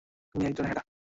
তুমি একজন মেয়ে।